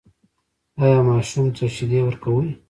ایا ماشوم ته شیدې ورکوئ؟